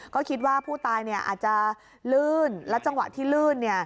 ก็คิดว่าผู้ตายอาจจะลื่นและจังหวะที่ลื่น